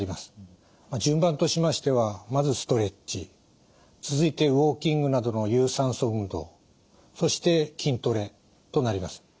順番としましてはまずストレッチ続いてウォーキングなどの有酸素運動そして筋トレとなります。